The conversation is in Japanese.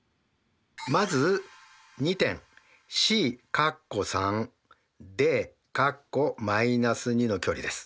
まず２点Ｃ，Ｄの距離です。